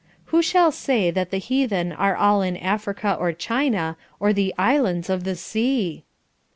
Who shall say that the heathen are all in Africa or China, or the islands of the sea?